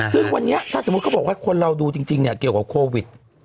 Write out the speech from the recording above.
ซึ่งวันนี้ถ้าสมมุติเขาบอกว่าคนเราดูจริงเนี่ยเกี่ยวกับโควิด